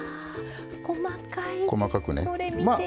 細かくね。